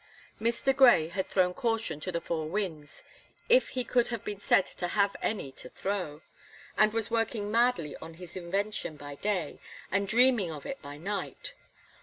Mr. Grey had thrown caution to the four winds if he could have been said to have any to throw and was working madly on his invention by day, and dreaming of it by night.